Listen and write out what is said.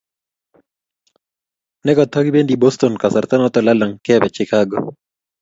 nekoto kibendi Boston kasartanoto lalang, kebe Chikago